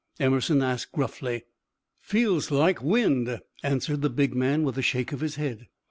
Emerson asked, gruffly. "Feels like wind," answered the big man, with a shake of his head.